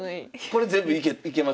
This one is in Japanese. これ全部いけました？